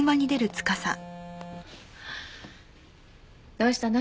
どうしたの？